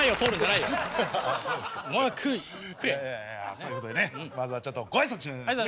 いやそういうことでねまずはちょっとご挨拶ねっ。